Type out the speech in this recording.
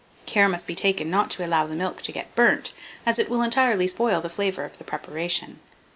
Care must be taken not to allow the milk to get burnt, as it will entirely spoil the flavour of the preparation.